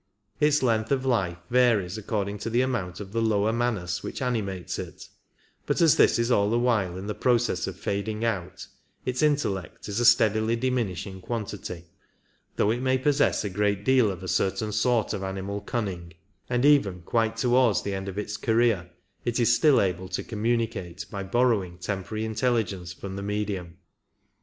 Its length of life varies according to the amount of the lower Manas which animates it, but as this is all the while in process of fading out, its intellect is a steadily diminishing quantity, though it may possess a great deal of a certain 36 Sort of animal cunning ; and even quite towards the end of its career it is still able to communicate by borrowing temporary intelligence from the medium.